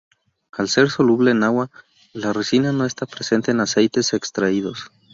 Al ser soluble en agua, la ricina no está presente en aceites extraídos.